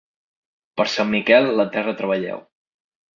Per Sant Miquel la terra treballeu.